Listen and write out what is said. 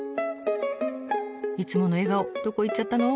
いつもの笑顔どこいっちゃったの？